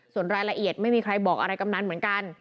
ส่วนรายละเอียดไม่มีใครบอกอะไรกำนันเหมือนกัน